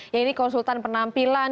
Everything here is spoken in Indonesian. yang ini konsultan penampilan